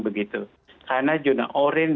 begitu karena jurnas oranye